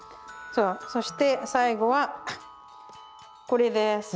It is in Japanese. そして最後はこれです。